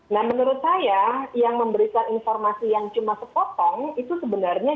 nah menurut saya yang memberikan informasi yang cuma sepotong itu sebenarnya